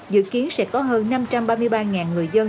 dự kiến sẽ có hơn năm trăm ba mươi ba người dân